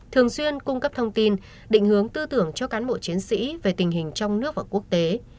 thường xuyên cung cấp thông tin định hướng tư tưởng cho cán bộ chiến sĩ về tình hình trong nước và quốc tế